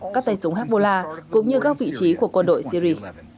các tay súng hezbollah cũng như các vị trí của quân đội syri